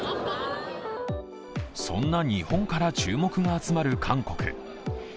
そんな日本から注目が集まる韓国。